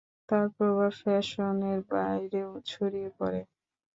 তার প্রভাব ফ্যাশনের বাইরেও ছড়িয়ে পরে।